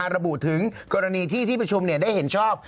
ระบุถึงกรณีที่ที่ประชุมได้เห็นชอบ